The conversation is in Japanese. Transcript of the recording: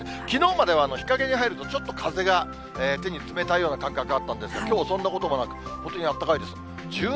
きのうまでは日陰に入ると、ちょっと風が手に冷たいような感覚あったんですが、きょうはそんなこともなく、本当にあったかいです。